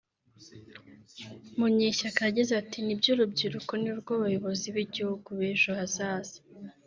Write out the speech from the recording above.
Munyeshyaka yagize ati “Nibyo urubyiruko nirwo bayobozi b’igihugu b’ejo hazaza